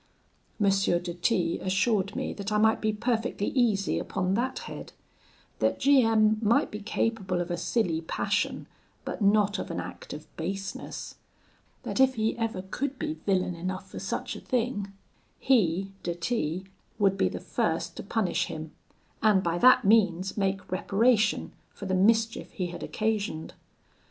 "M. de T assured me that I might be perfectly easy upon that head; that G M might be capable of a silly passion, but not of an act of baseness; that if he ever could be villain enough for such a thing, he, de T , would be the first to punish him, and by that means make reparation for the mischief he had occasioned.